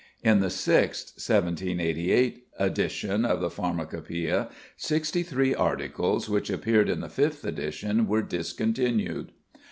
In the sixth (1788) edition of the Pharmacopœia, sixty three articles which appeared in the fifth edition were discontinued.